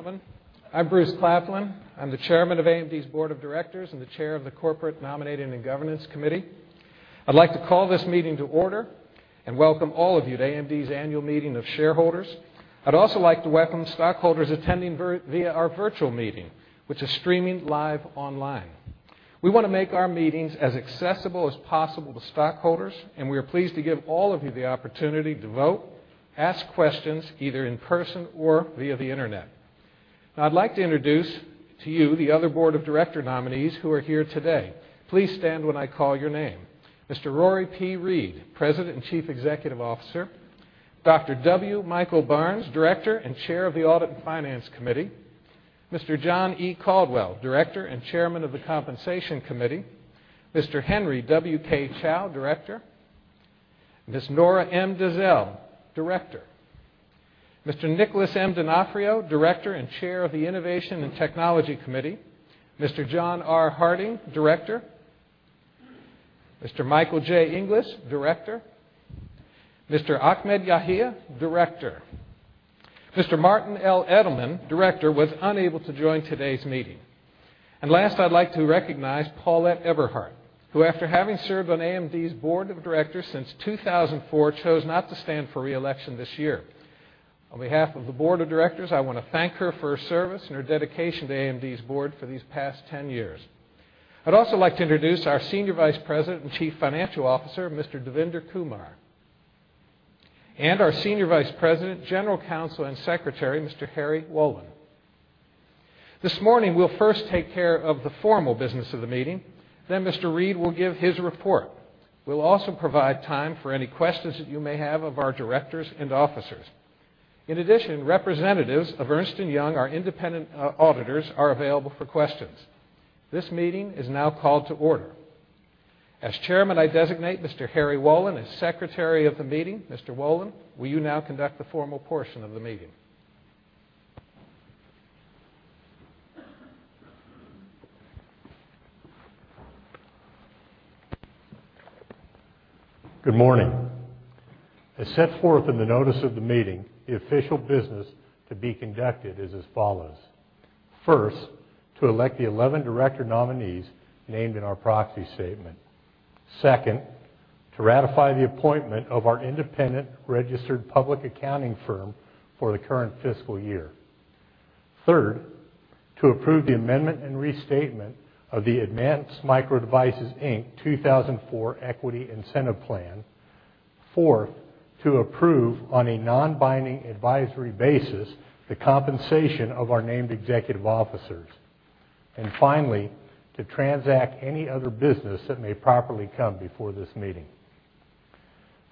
Gentlemen, I'm Bruce Claflin. I'm the chairman of AMD's board of directors and the chair of the Nominating and Corporate Governance Committee. I'd like to call this meeting to order and welcome all of you to AMD's annual meeting of shareholders. I'd also like to welcome stockholders attending via our virtual meeting, which is streaming live online. We want to make our meetings as accessible as possible to stockholders, and we are pleased to give all of you the opportunity to vote, ask questions, either in person or via the internet. I'd like to introduce to you the other board of director nominees who are here today. Please stand when I call your name. Mr. Rory P. Read, President and Chief Executive Officer. Dr. W. Michael Barnes, director and chair of the Audit and Finance Committee. Mr. John E. Caldwell, director and chairman of the Compensation Committee. Mr. Henry W.K. Chow, director. Ms. Nora M. Denzel, director. Mr. Nicholas M. D'Onofrio, director and chair of the Innovation and Technology Committee. Mr. John R. Harding, director. Mr. Michael J. Inglis, director. Mr. Ahmed Yahia, director. Mr. Martin L. Edelman, director, was unable to join today's meeting. Last, I'd like to recognize Paulett Eberhart, who after having served on AMD's board of directors since 2004, chose not to stand for re-election this year. On behalf of the board of directors, I want to thank her for her service and her dedication to AMD's board for these past 10 years. I'd also like to introduce our Senior Vice President and Chief Financial Officer, Mr. Devinder Kumar. Our Senior Vice President, General Counsel, and Secretary, Mr. Harry Wolin. This morning, we'll first take care of the formal business of the meeting, then Mr. Read will give his report. We'll also provide time for any questions that you may have of our directors and officers. In addition, representatives of Ernst & Young, our independent auditors, are available for questions. This meeting is now called to order. As chairman, I designate Mr. Harry Wolin as secretary of the meeting. Mr. Wolin, will you now conduct the formal portion of the meeting? Good morning. As set forth in the notice of the meeting, the official business to be conducted is as follows. First, to elect the 11 director nominees named in our proxy statement. Second, to ratify the appointment of our independent registered public accounting firm for the current fiscal year. Third, to approve the amendment and restatement of the Advanced Micro Devices, Inc. 2004 Equity Incentive Plan. Fourth, to approve, on a non-binding advisory basis, the compensation of our named executive officers. Finally, to transact any other business that may properly come before this meeting.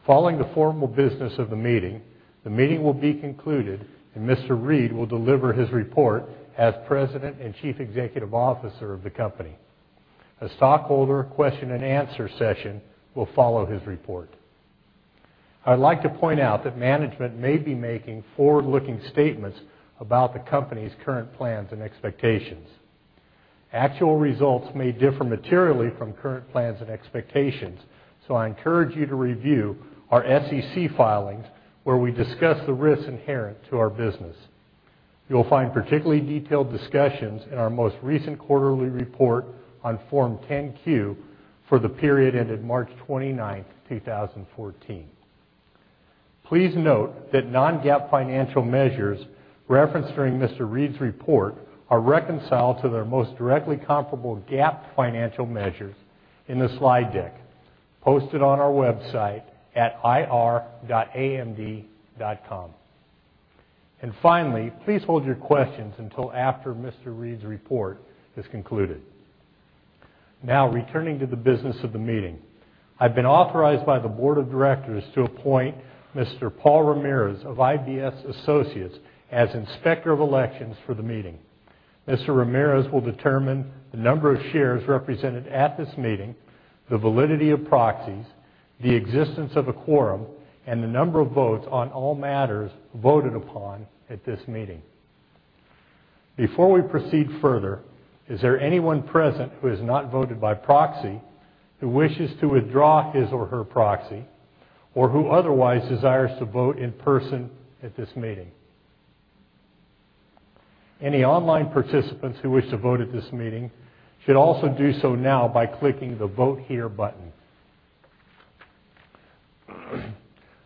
Following the formal business of the meeting, the meeting will be concluded, and Mr. Read will deliver his report as President and Chief Executive Officer of the company. A stockholder question-and-answer session will follow his report. I'd like to point out that management may be making forward-looking statements about the company's current plans and expectations. Actual results may differ materially from current plans and expectations, so I encourage you to review our SEC filings where we discuss the risks inherent to our business. You'll find particularly detailed discussions in our most recent quarterly report on Form 10-Q for the period ended March 29th, 2014. Please note that non-GAAP financial measures referenced during Mr. Read's report are reconciled to their most directly comparable GAAP financial measures in the slide deck posted on our website at ir.amd.com. Finally, please hold your questions until after Mr. Read's report is concluded. Now returning to the business of the meeting. I've been authorized by the board of directors to appoint Mr. Paul Ramirez of IVS Associates as Inspector of Elections for the meeting. Mr. Ramirez will determine the number of shares represented at this meeting, the validity of proxies, the existence of a quorum, and the number of votes on all matters voted upon at this meeting. Before we proceed further, is there anyone present who has not voted by proxy, who wishes to withdraw his or her proxy, or who otherwise desires to vote in person at this meeting? Any online participants who wish to vote at this meeting should also do so now by clicking the Vote Here button.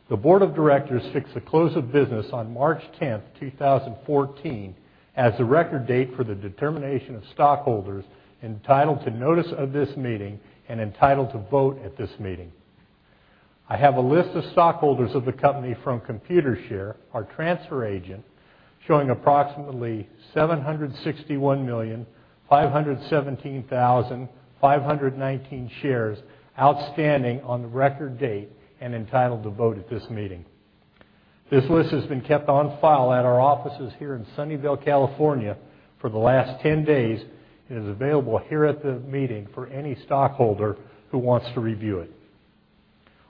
The board of directors fixed the close of business on March 10th, 2014, as the record date for the determination of stockholders entitled to notice of this meeting and entitled to vote at this meeting. I have a list of stockholders of the company from Computershare, our transfer agent, showing approximately 761,517,519 shares outstanding on the record date and entitled to vote at this meeting. This list has been kept on file at our offices here in Sunnyvale, California, for the last 10 days and is available here at the meeting for any stockholder who wants to review it.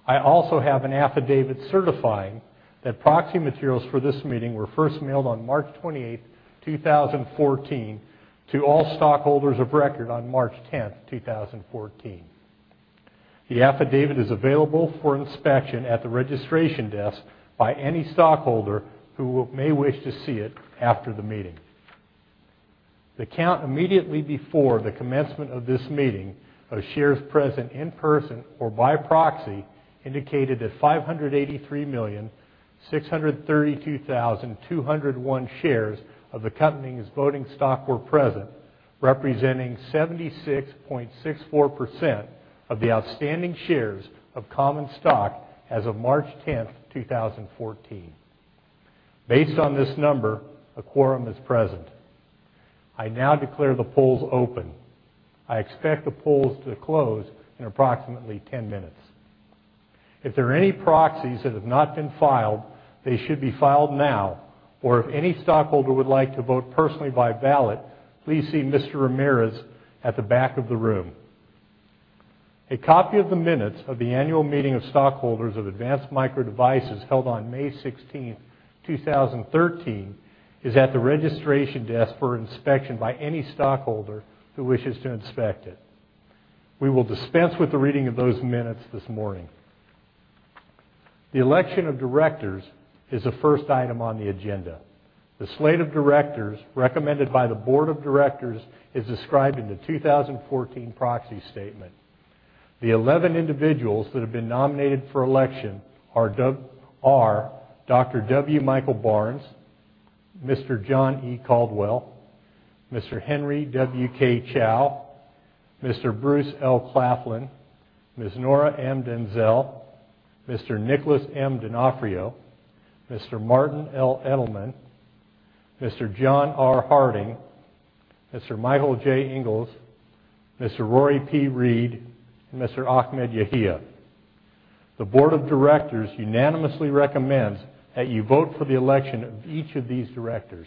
I also have an affidavit certifying that proxy materials for this meeting were first mailed on March 28th, 2014, to all stockholders of record on March 10th, 2014. The affidavit is available for inspection at the registration desk by any stockholder who may wish to see it after the meeting. The count immediately before the commencement of this meeting of shares present in person or by proxy indicated that 583,632,201 shares of the company's voting stock were present, representing 76.64% of the outstanding shares of common stock as of March 10th, 2014. Based on this number, a quorum is present. I now declare the polls open. I expect the polls to close in approximately 10 minutes. If there are any proxies that have not been filed, they should be filed now, or if any stockholder would like to vote personally by ballot, please see Mr. Ramirez at the back of the room. A copy of the minutes of the annual meeting of stockholders of Advanced Micro Devices held on May 16th, 2013, is at the registration desk for inspection by any stockholder who wishes to inspect it. We will dispense with the reading of those minutes this morning. The election of directors is the first item on the agenda. The slate of directors recommended by the board of directors is described in the 2014 proxy statement. The 11 individuals that have been nominated for election are: Dr. W. Michael Barnes, Mr. John E. Caldwell, Mr. Henry W. K. Chow, Mr. Bruce L. Claflin, Ms. Nora M. Denzel, Mr. Nicholas M. D'Onofrio, Mr. Martin L. Edelman, Mr. John R. Harding, Mr. Michael J. Inglis, Mr. Rory P. Read, and Mr. Ahmed Yahia. The board of directors unanimously recommends that you vote for the election of each of these directors.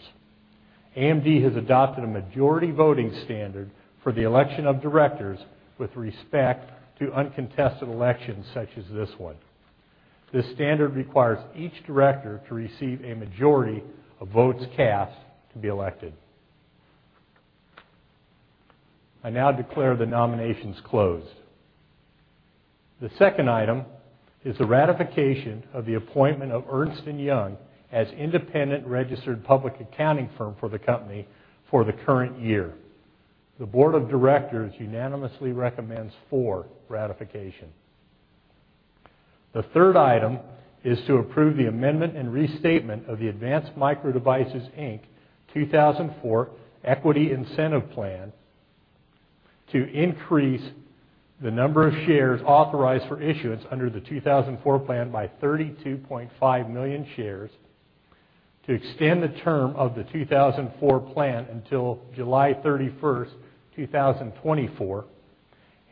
AMD has adopted a majority voting standard for the election of directors with respect to uncontested elections such as this one. This standard requires each director to receive a majority of votes cast to be elected. I now declare the nominations closed. The second item is the ratification of the appointment of Ernst & Young as independent registered public accounting firm for the company for the current year. The board of directors unanimously recommends for ratification. The third item is to approve the amendment and restatement of the Advanced Micro Devices, Inc. 2004 Equity Incentive Plan to increase the number of shares authorized for issuance under the 2004 plan by 32.5 million shares, to extend the term of the 2004 plan until July 31st, 2024,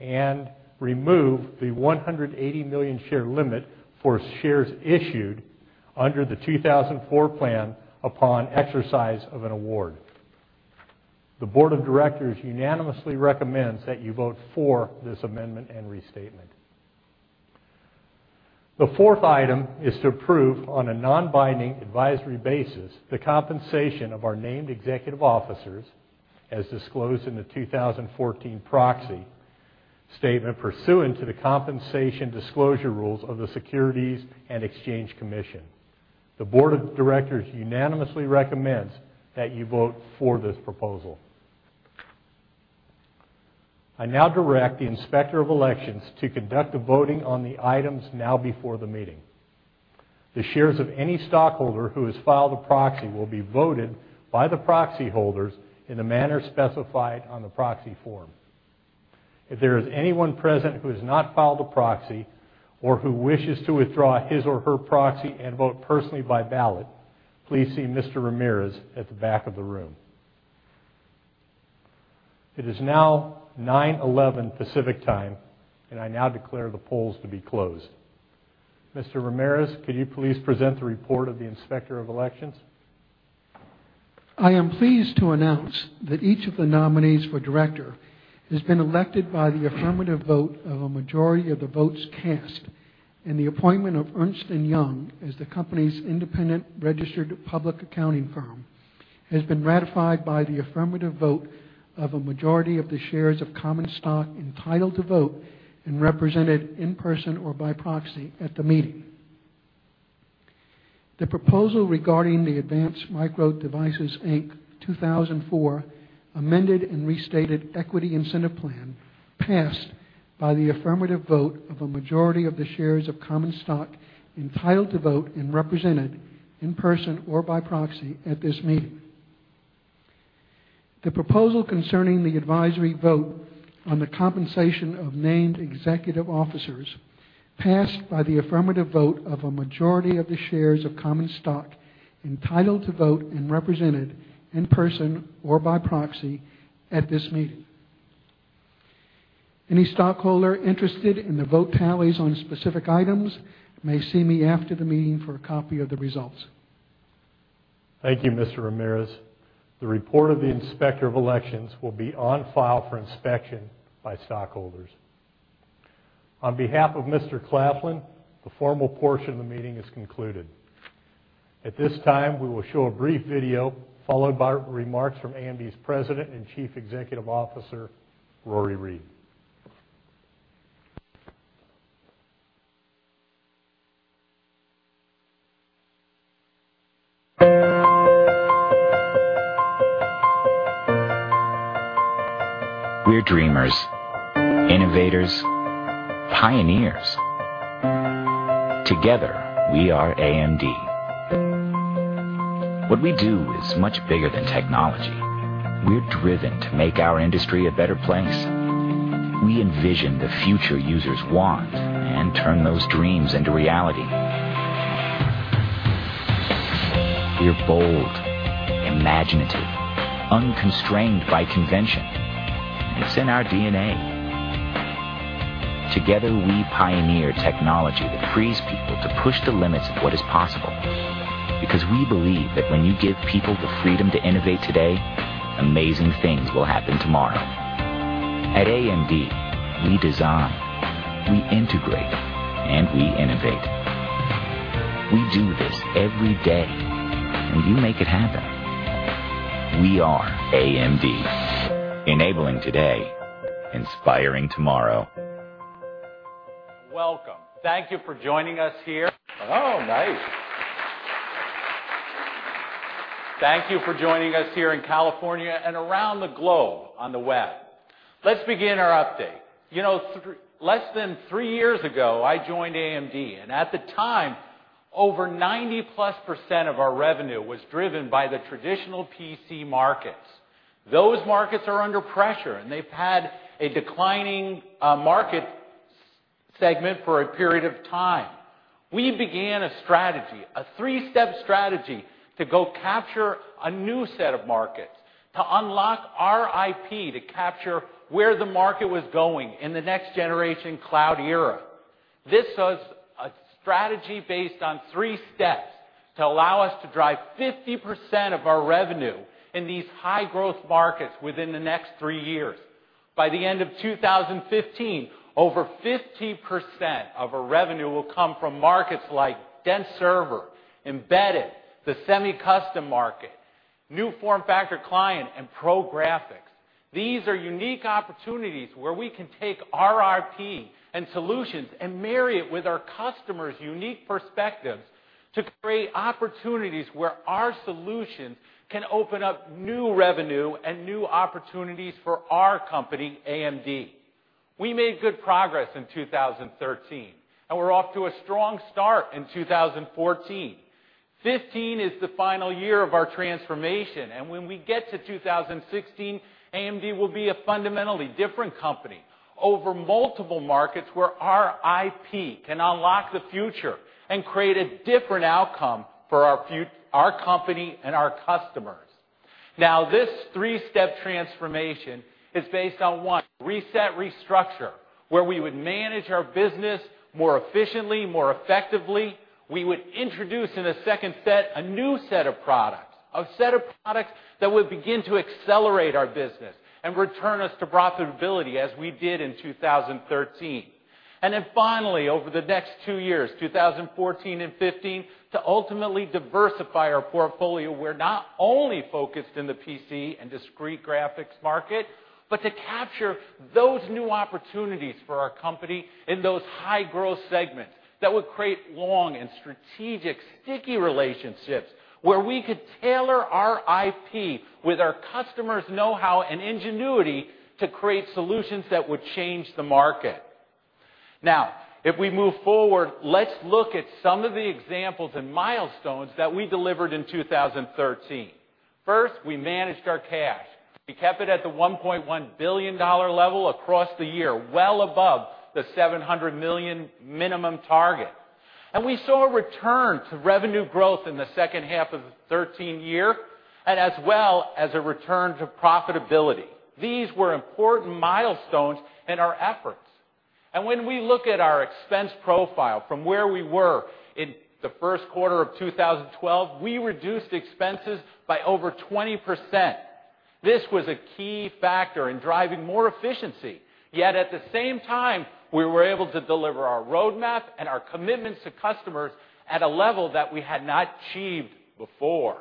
and remove the 180 million share limit for shares issued under the 2004 plan upon exercise of an award. The board of directors unanimously recommends that you vote for this amendment and restatement. The fourth item is to approve, on a non-binding advisory basis, the compensation of our named executive officers as disclosed in the 2014 proxy statement pursuant to the compensation disclosure rules of the Securities and Exchange Commission. The board of directors unanimously recommends that you vote for this proposal. I now direct the Inspector of Elections to conduct the voting on the items now before the meeting. The shares of any stockholder who has filed a proxy will be voted by the proxy holders in the manner specified on the proxy form. If there is anyone present who has not filed a proxy or who wishes to withdraw his or her proxy and vote personally by ballot, please see Mr. Ramirez at the back of the room. It is now 9:11 A.M. Pacific Time, and I now declare the polls to be closed. Mr. Ramirez, could you please present the report of the Inspector of Elections? I am pleased to announce that each of the nominees for director has been elected by the affirmative vote of a majority of the votes cast, and the appointment of Ernst & Young as the company's independent registered public accounting firm has been ratified by the affirmative vote of a majority of the shares of common stock entitled to vote and represented in person or by proxy at the meeting. The proposal regarding the Advanced Micro Devices, Inc. 2004 Amended and Restated Equity Incentive Plan passed by the affirmative vote of a majority of the shares of common stock entitled to vote and represented in person or by proxy at this meeting. The proposal concerning the advisory vote on the compensation of named executive officers passed by the affirmative vote of a majority of the shares of common stock entitled to vote and represented in person or by proxy at this meeting. Any stockholder interested in the vote tallies on specific items may see me after the meeting for a copy of the results. Thank you, Mr. Ramirez. The report of the Inspector of Elections will be on file for inspection by stockholders. On behalf of Mr. Claflin, the formal portion of the meeting is concluded. At this time, we will show a brief video followed by remarks from AMD's President and Chief Executive Officer, Rory Read. We're dreamers, innovators, pioneers. Together, we are AMD. What we do is much bigger than technology. We're driven to make our industry a better place. We envision the future users want and turn those dreams into reality. We're bold, imaginative, unconstrained by convention. It's in our DNA. Together, we pioneer technology that frees people to push the limits of what is possible, because we believe that when you give people the freedom to innovate today, amazing things will happen tomorrow. At AMD, we design, we integrate, and we innovate. We do this every day, and you make it happen. We are AMD, enabling today, inspiring tomorrow. Welcome. Thank you for joining us here. Oh, nice. Thank you for joining us here in California and around the globe on the web. Let's begin our update. Less than three years ago, I joined AMD, and at the time, over 90-plus% of our revenue was driven by the traditional PC markets. Those markets are under pressure, and they've had a declining market segment for a period of time. We began a strategy, a three-step strategy to go capture a new set of markets, to unlock our IP, to capture where the market was going in the next generation cloud era. This was a strategy based on three steps to allow us to drive 50% of our revenue in these high-growth markets within the next three years. By the end of 2015, over 50% of our revenue will come from markets like dense server, embedded, the semi-custom market, new form factor client, and pro graphics. These are unique opportunities where we can take our IP and solutions and marry it with our customers' unique perspectives to create opportunities where our solutions can open up new revenue and new opportunities for our company, AMD. We made good progress in 2013, and we're off to a strong start in 2014. 2015 is the final year of our transformation, and when we get to 2016, AMD will be a fundamentally different company over multiple markets where our IP can unlock the future and create a different outcome for our company and our customers. This three-step transformation is based on, one, reset, restructure, where we would manage our business more efficiently, more effectively. We would introduce in the second set a new set of products, a set of products that would begin to accelerate our business and return us to profitability as we did in 2013. Finally, over the next two years, 2014 and 2015, to ultimately diversify our portfolio. We're not only focused in the PC and discrete graphics market, but to capture those new opportunities for our company in those high-growth segments that would create long and strategic sticky relationships where we could tailor our IP with our customers' know-how and ingenuity to create solutions that would change the market. If we move forward, let's look at some of the examples and milestones that we delivered in 2013. First, we managed our cash. We kept it at the $1.1 billion level across the year, well above the $700 million minimum target. We saw a return to revenue growth in the second half of the 2013 year and as well as a return to profitability. These were important milestones in our efforts. When we look at our expense profile from where we were in the first quarter of 2012, we reduced expenses by over 20%. This was a key factor in driving more efficiency. Yet at the same time, we were able to deliver our roadmap and our commitments to customers at a level that we had not achieved before.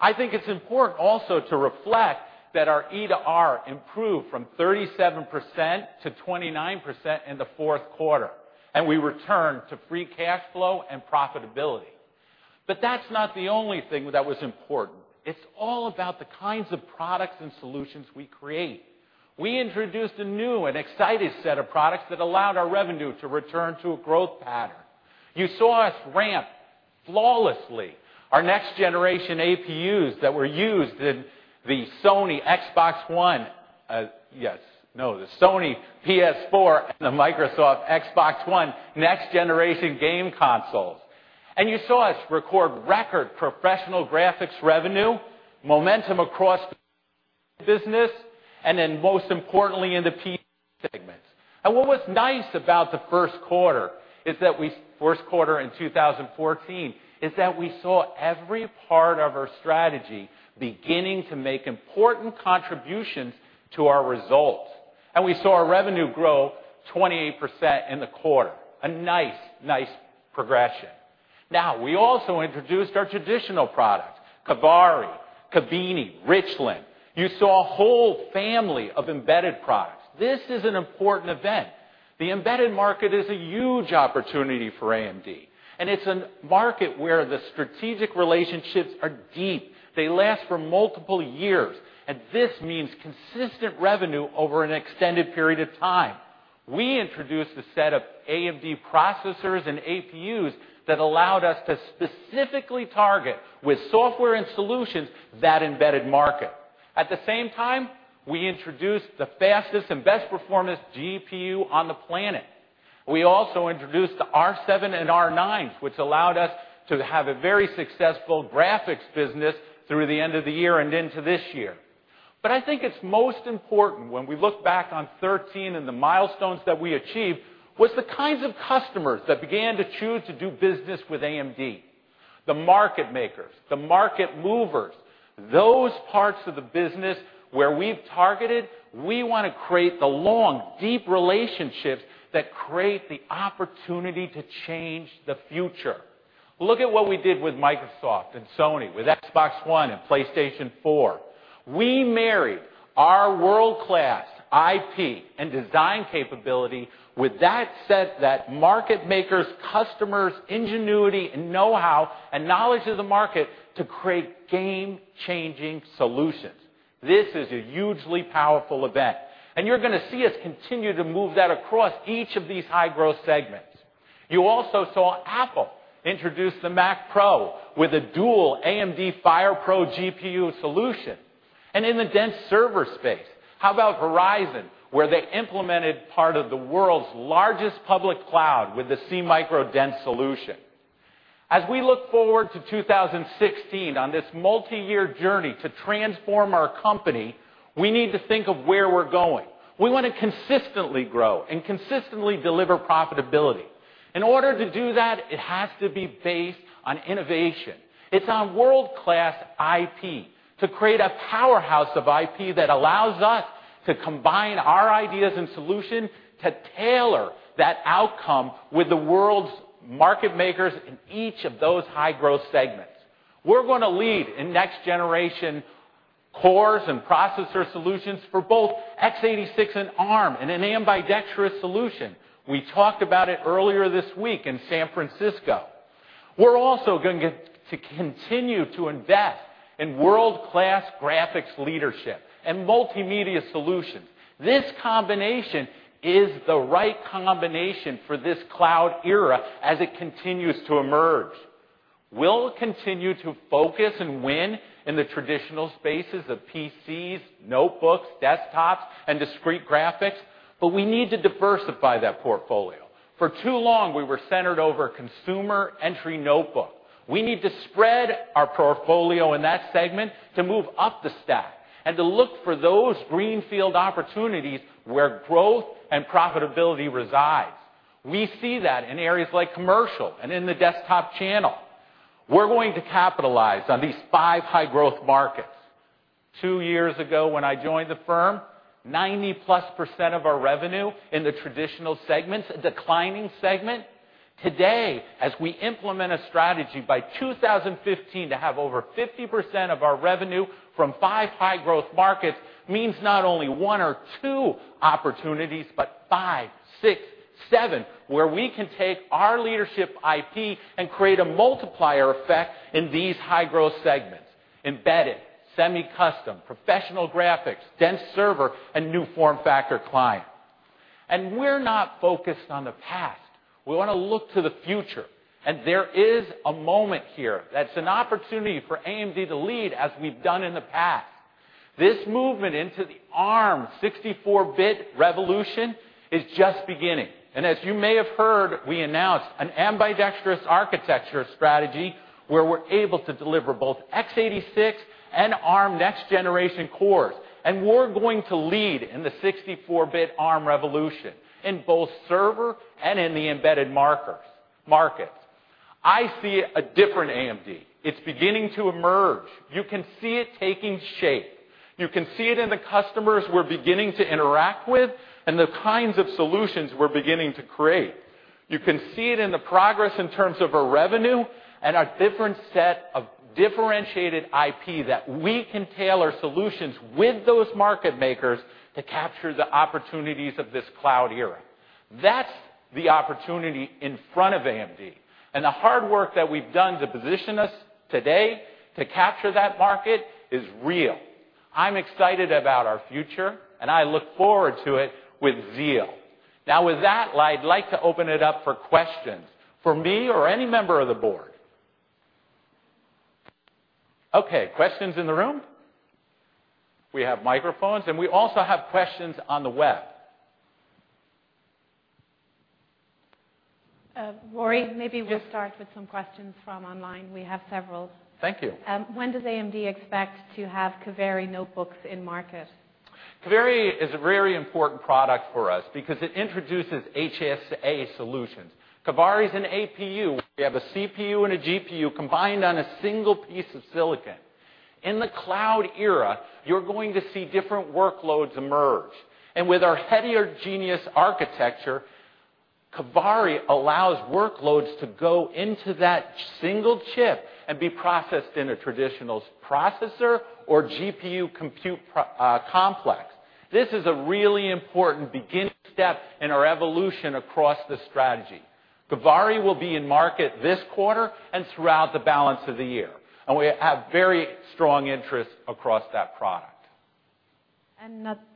I think it's important also to reflect that our E to R improved from 37% to 29% in the fourth quarter, and we returned to free cash flow and profitability. That's not the only thing that was important. It's all about the kinds of products and solutions we create. We introduced a new and exciting set of products that allowed our revenue to return to a growth pattern. You saw us ramp flawlessly our next generation APUs that were used in the Sony PS4 and the Microsoft Xbox One next-generation game consoles. You saw us record record professional graphics revenue, momentum across the business, and then most importantly, in the PC segments. What was nice about the first quarter in 2014 is that we saw every part of our strategy beginning to make important contributions to our results. We saw our revenue grow 28% in the quarter. A nice progression. Now, we also introduced our traditional product, Kabini, Richland. You saw a whole family of embedded products. This is an important event. The embedded market is a huge opportunity for AMD, and it's a market where the strategic relationships are deep. They last for multiple years, and this means consistent revenue over an extended period of time. We introduced a set of AMD processors and APUs that allowed us to specifically target, with software and solutions, that embedded market. At the same time, we introduced the fastest and best performance GPU on the planet. We also introduced the R7 and R9s, which allowed us to have a very successful graphics business through the end of the year and into this year. I think it's most important when we look back on 2013 and the milestones that we achieved, was the kinds of customers that began to choose to do business with AMD. The market makers, the market movers, those parts of the business where we've targeted. We want to create the long, deep relationships that create the opportunity to change the future. Look at what we did with Microsoft and Sony, with Xbox One and PlayStation 4. We married our world-class IP and design capability with that set that market makers, customers, ingenuity, and know-how, and knowledge of the market to create game-changing solutions. This is a hugely powerful event. You're going to see us continue to move that across each of these high-growth segments. You also saw Apple introduce the Mac Pro with a dual AMD FirePro GPU solution. In the dense server space, how about Verizon, where they implemented part of the world's largest public cloud with the SeaMicro dense solution? As we look forward to 2016 on this multi-year journey to transform our company, we need to think of where we're going. We want to consistently grow and consistently deliver profitability. In order to do that, it has to be based on innovation. It's on world-class IP to create a powerhouse of IP that allows us to combine our ideas and solution to tailor that outcome with the world's market makers in each of those high-growth segments. We're going to lead in next-generation cores and processor solutions for both x86 and Arm in an ambidextrous solution. We talked about it earlier this week in San Francisco. We're also going to continue to invest in world-class graphics leadership and multimedia solutions. This combination is the right combination for this cloud era as it continues to emerge. We'll continue to focus and win in the traditional spaces of PCs, notebooks, desktops, and discrete graphics, but we need to diversify that portfolio. For too long, we were centered over consumer entry notebook. We need to spread our portfolio in that segment to move up the stack and to look for those greenfield opportunities where growth and profitability reside. We see that in areas like commercial and in the desktop channel. We're going to capitalize on these five high-growth markets. Two years ago, when I joined the firm, 90-plus % of our revenue in the traditional segments, a declining segment. Today, as we implement a strategy by 2015 to have over 50% of our revenue from five high-growth markets means not only one or two opportunities, but five, six, seven, where we can take our leadership IP and create a multiplier effect in these high-growth segments: embedded, semi-custom, professional graphics, dense server, and new form factor client. We're not focused on the past. We want to look to the future. There is a moment here that's an opportunity for AMD to lead as we've done in the past. This movement into the Arm 64-bit revolution is just beginning. As you may have heard, we announced an ambidextrous architecture strategy where we're able to deliver both x86 and Arm next generation cores. We're going to lead in the 64-bit Arm revolution in both server and in the embedded markets. I see a different AMD. It's beginning to emerge. You can see it taking shape. You can see it in the customers we're beginning to interact with and the kinds of solutions we're beginning to create. You can see it in the progress in terms of our revenue and our different set of differentiated IP that we can tailor solutions with those market makers to capture the opportunities of this cloud era. That's the opportunity in front of AMD. The hard work that we've done to position us today to capture that market is real. I'm excited about our future, and I look forward to it with zeal. Now, with that, I'd like to open it up for questions for me or any member of the board. Okay. Questions in the room? We have microphones, and we also have questions on the web. Rory, maybe we'll start with some questions from online. We have several. Thank you. When does AMD expect to have Kaveri notebooks in market? Kaveri is a very important product for us because it introduces HSA solutions. Kaveri is an APU. We have a CPU and a GPU combined on a single piece of silicon. In the cloud era, you're going to see different workloads emerge. With our heterogeneous architecture, Kaveri allows workloads to go into that single chip and be processed in a traditional processor or GPU compute complex. This is a really important beginning step in our evolution across this strategy. Kaveri will be in market this quarter and throughout the balance of the year, we have very strong interest across that product.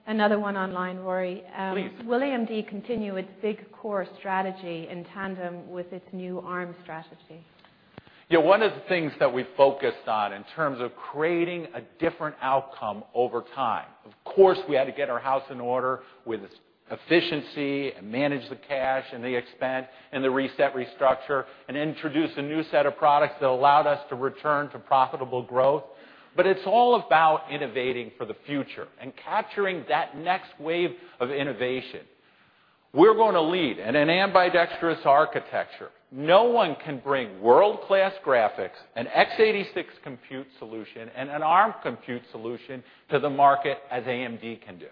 Another one online, Rory. Please. Will AMD continue its big core strategy in tandem with its new Arm strategy? One of the things that we focused on in terms of creating a different outcome over time, of course, we had to get our house in order with efficiency and manage the cash and the expense and the reset restructure and introduce a new set of products that allowed us to return to profitable growth. It's all about innovating for the future and capturing that next wave of innovation. We're going to lead in an ambidextrous architecture. No one can bring world-class graphics, an x86 compute solution, and an Arm compute solution to the market as AMD can do.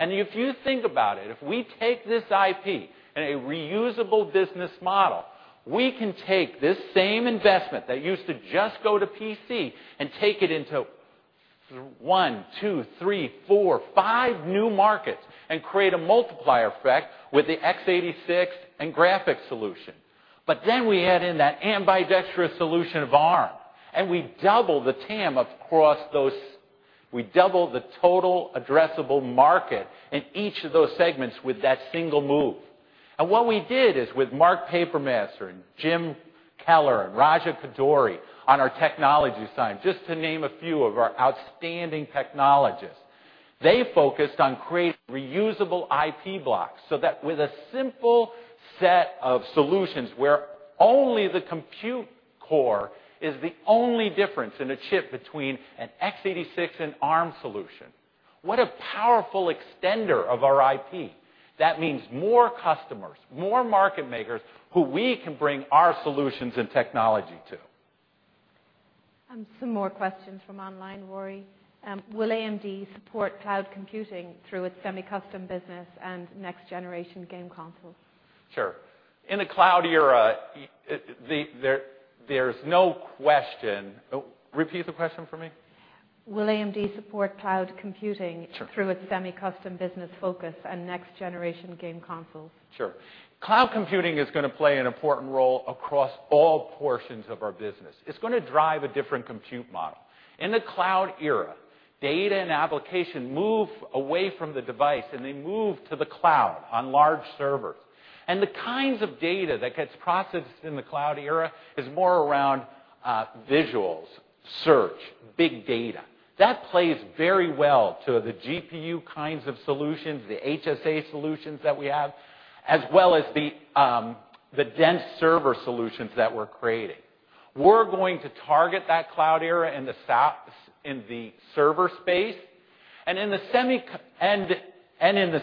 If you think about it, if we take this IP in a reusable business model, we can take this same investment that used to just go to PC and take it into one, two, three, four, five new markets and create a multiplier effect with the x86 and graphics solution. Then we add in that ambidextrous solution of Arm, and we double the TAM across those. We double the total addressable market in each of those segments with that single move. What we did is with Mark Papermaster and Jim Keller and Raja Koduri on our technology side, just to name a few of our outstanding technologists. They focused on creating reusable IP blocks, so that with a simple set of solutions where only the compute core is the only difference in a chip between an x86 and Arm solution. What a powerful extender of our IP. That means more customers, more market makers who we can bring our solutions and technology to. Some more questions from online, Rory. Please. Will AMD support cloud computing through its semi-custom business and next generation game consoles? Sure. In the cloud era, there's no question. Repeat the question for me. Will AMD support cloud computing- Sure through its semi-custom business focus and next generation game consoles? Sure. Cloud computing is going to play an important role across all portions of our business. It's going to drive a different compute model. In the cloud era, data and application move away from the device, and they move to the cloud on large servers. The kinds of data that gets processed in the cloud era is more around visuals, search, big data. That plays very well to the GPU kinds of solutions, the HSA solutions that we have, as well as the dense server solutions that we're creating. We're going to target that cloud era in the server space. In the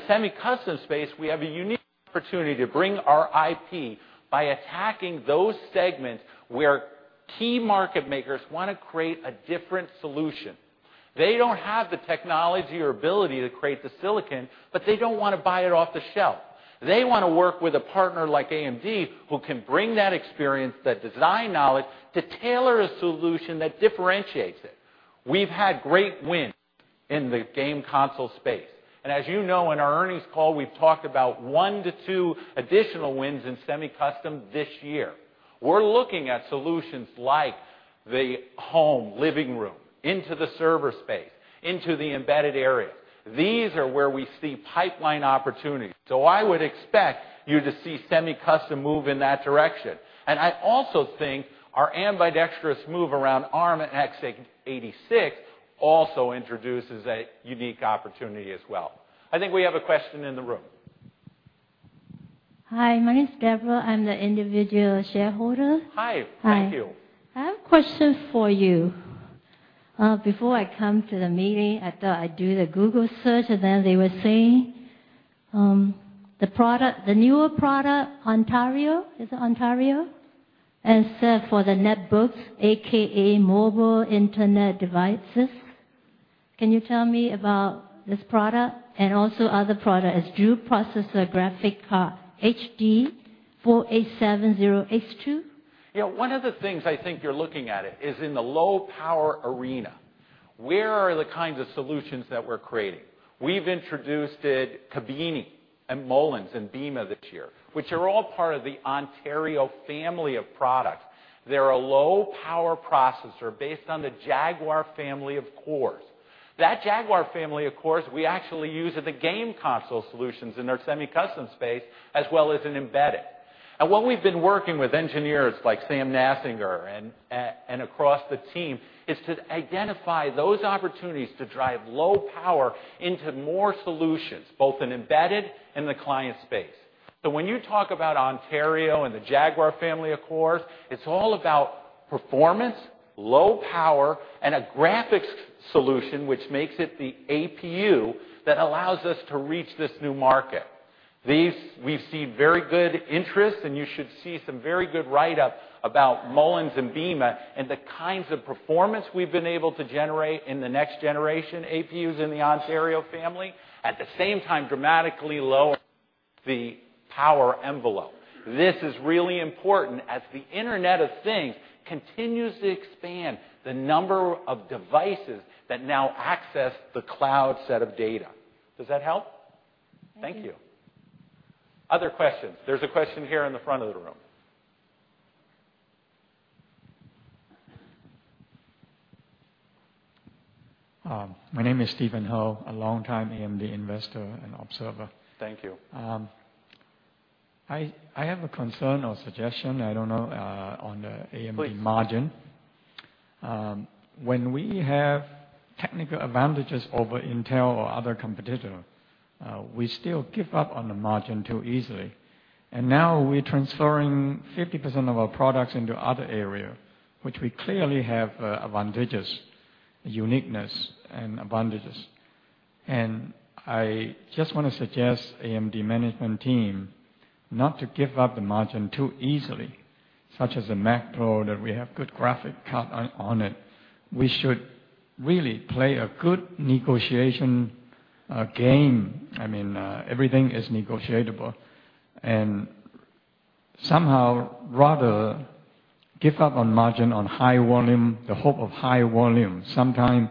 semi-custom space, we have a unique opportunity to bring our IP by attacking those segments where key market makers want to create a different solution. They don't have the technology or ability to create the silicon, but they don't want to buy it off the shelf. They want to work with a partner like AMD who can bring that experience, that design knowledge to tailor a solution that differentiates it. We've had great wins in the game console space. As you know, in our earnings call, we've talked about one to two additional wins in semi-custom this year. We're looking at solutions like the home living room into the server space, into the embedded areas. These are where we see pipeline opportunities. I would expect you to see semi-custom move in that direction. I also think our ambidextrous move around Arm and x86 also introduces a unique opportunity as well. I think we have a question in the room. Hi, my name is Deborah. I'm the individual shareholder. Hi. Hi. Thank you. I have a question for you. Before I come to the meeting, I thought I'd do the Google search. They were saying, the newer product, Ontario. Is it Ontario? Search for the netbooks, AKA mobile internet devices. Can you tell me about this product and also other product as dual processor graphic card HD 4870X2? One of the things I think you're looking at it is in the low power arena. Where are the kinds of solutions that we're creating? We've introduced it, Kabini and Mullins and Beema this year, which are all part of the Ontario family of products. They're a low power processor based on the Jaguar family of cores. That Jaguar family of cores, we actually use as a game console solutions in our semi-custom space, as well as in embedded. What we've been working with engineers like Sam Naffziger and across the team is to identify those opportunities to drive low power into more solutions, both in embedded and the client space. When you talk about Ontario and the Jaguar family of cores, it's all about performance, low power, and a graphics solution, which makes it the APU that allows us to reach this new market. These, we see very good interest. You should see some very good write-up about Mullins and Beema and the kinds of performance we've been able to generate in the next generation APUs in the Ontario family. At the same time, dramatically lower the power envelope. This is really important as the Internet of Things continues to expand the number of devices that now access the cloud set of data. Does that help? Thank you. Other questions? There's a question here in the front of the room. My name is Steven Ho, a long time AMD investor and observer. Thank you. I have a concern or suggestion, I don't know, on the AMD margin. Please. When we have technical advantages over Intel or other competitor, we still give up on the margin too easily. Now we're transferring 50% of our products into other area, which we clearly have advantages, uniqueness and advantages. I just want to suggest AMD management team not to give up the margin too easily, such as the Mac Pro, that we have good graphic card on it. We should really play a good negotiation game. Everything is negotiable. Somehow, rather give up on margin on high volume, the hope of high volume, sometime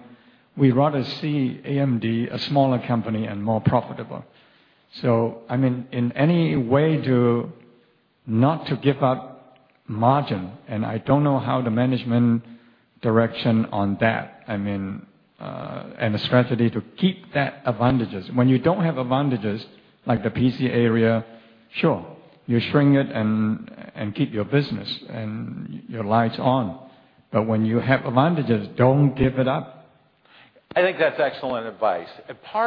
we'd rather see AMD a smaller company and more profitable. In any way to not to give up margin, and I don't know how the management direction on that and the strategy to keep that advantages. When you don't have advantages, like the PC era, sure, you shrink it and keep your business and your lights on, but when you have advantages, don't give it up. Part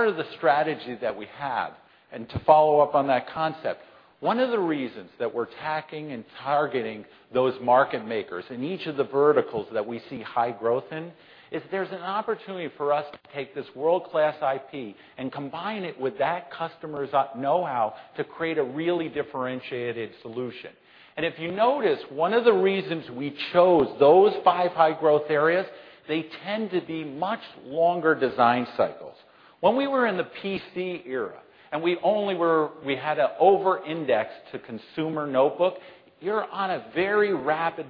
of the strategy that we have, and to follow up on that concept, one of the reasons that we're tacking and targeting those market makers in each of the verticals that we see high growth in, is there's an opportunity for us to take this world-class IP and combine it with that customer's know-how to create a really differentiated solution. If you notice, one of the reasons we chose those five high growth areas, they tend to be much longer design cycles. When we were in the PC era, and we had to over-index to consumer notebook, you're on a very rapid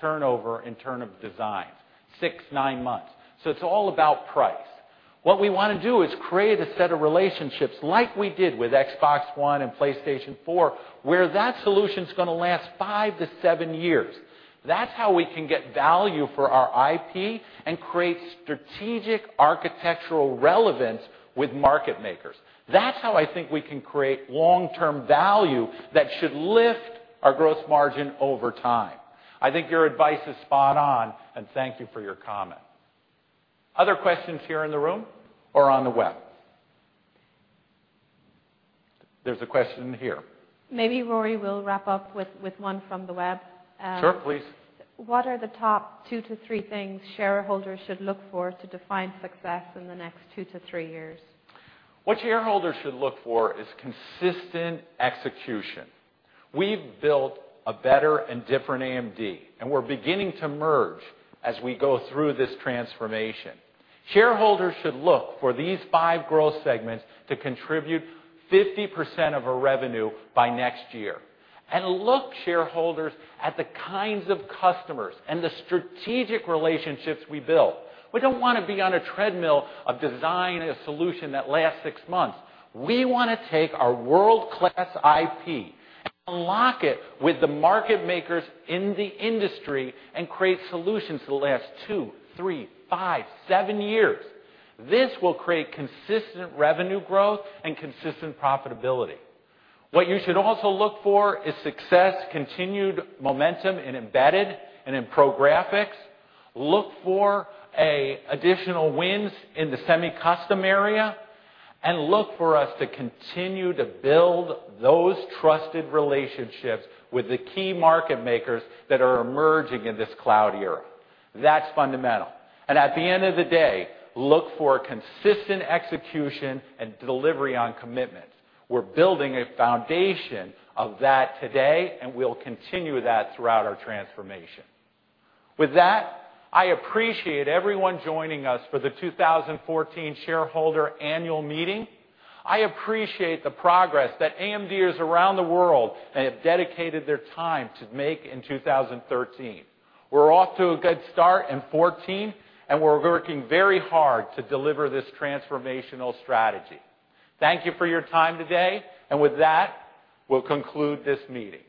turnover in turn of designs, six, nine months. It's all about price. What we want to do is create a set of relationships like we did with Xbox One and PlayStation 4, where that solution's going to last five to seven years. That's how we can get value for our IP and create strategic architectural relevance with market makers. That's how I think we can create long-term value that should lift our gross margin over time. I think your advice is spot on, and thank you for your comment. Other questions here in the room or on the web? There's a question here. Maybe, Rory, we'll wrap up with one from the web. Sure, please. What are the top two to three things shareholders should look for to define success in the next two to three years? What shareholders should look for is consistent execution. We've built a better and different AMD, and we're beginning to merge as we go through this transformation. Shareholders should look for these five growth segments to contribute 50% of our revenue by next year. Look, shareholders, at the kinds of customers and the strategic relationships we build. We don't want to be on a treadmill of design a solution that lasts six months. We want to take our world-class IP and lock it with the market makers in the industry and create solutions that last two, three, five, seven years. This will create consistent revenue growth and consistent profitability. What you should also look for is success, continued momentum in embedded and in pro graphics. Look for additional wins in the semi-custom area, and look for us to continue to build those trusted relationships with the key market makers that are emerging in this cloud era. That's fundamental. At the end of the day, look for consistent execution and delivery on commitments. We're building a foundation of that today, and we'll continue that throughout our transformation. With that, I appreciate everyone joining us for the 2014 shareholder annual meeting. I appreciate the progress that AMDers around the world have dedicated their time to make in 2013. We're off to a good start in 2014, and we're working very hard to deliver this transformational strategy. Thank you for your time today. With that, we'll conclude this meeting.